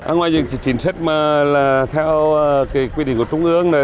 ngoài dịch chỉnh sách mà là theo quy định của trung ương